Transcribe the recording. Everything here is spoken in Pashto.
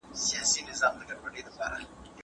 ايا اغېز ټولنيز دی؟